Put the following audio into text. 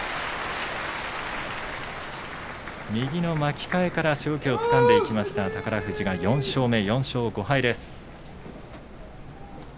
右の巻き替えから勝機をつかんでいきました、宝富士が４勝目４勝５敗です。